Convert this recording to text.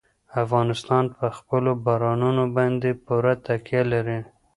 افغانستان په خپلو بارانونو باندې پوره تکیه لري.